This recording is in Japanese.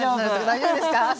大丈夫ですか？